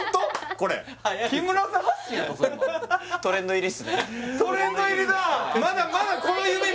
これトレンド入りだ！